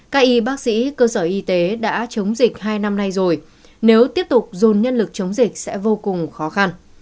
các y bác sĩ cơ sở y tế đã chống dịch hai năm nay rồi nếu tiếp tục dồn nhân lực chống dịch sẽ vô cùng khó khăn